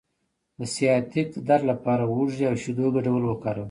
د سیاتیک درد لپاره د هوږې او شیدو ګډول وکاروئ